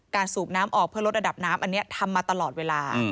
สูบน้ำออกเพื่อลดระดับน้ำอันนี้ทำมาตลอดเวลา